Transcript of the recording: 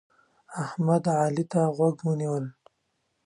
احمد؛ علي ته غوږونه ونیول.